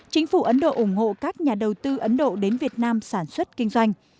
chính phủ ấn độ ủng hộ các nhà đầu tư ấn độ đến việt nam sản xuất kinh doanh